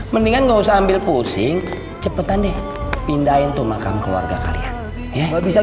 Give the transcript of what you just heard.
mendingan nggak usah ambil pusing cepetan deh pindahin tuh makam keluarga kalian ya nggak bisa